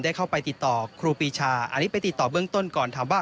เข้าไปติดต่อครูปีชาอันนี้ไปติดต่อเบื้องต้นก่อนถามว่า